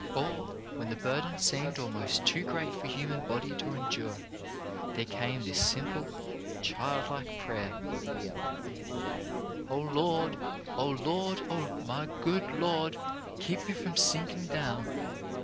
Or when the burden seemed almost too great for human body to endure, there came this simple, child like prayer : O Lord, O, my Lord, O, my good Lord, Keep me from sinkin' down.